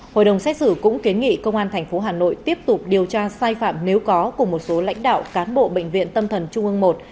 hội đồng xét xử cũng kiến nghị công an tp hà nội tiếp tục điều tra sai phạm nếu có của một số lãnh đạo cán bộ bệnh viện tâm thần trung ương một